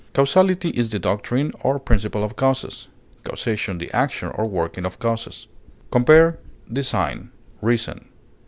Causality is the doctrine or principle of causes, causation the action or working of causes. Compare DESIGN; REASON.